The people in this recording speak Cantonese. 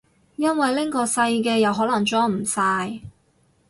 因為拎個細嘅又可能裝唔晒